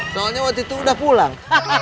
soalnya waktu itu udah pulang